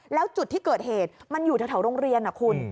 แล้วจุดที่เกิดเหตุมันอยู่แถวโรงเรียนนะคุณ